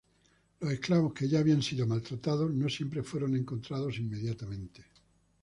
Los esclavos que ya habían sido maltratados no siempre fueron encontrados inmediatamente.